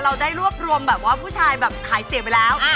เราได้รวบรวมแบบว่าผู้ชายแบบขายเสียงไปแล้ว